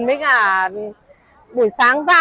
với cả buổi sáng ra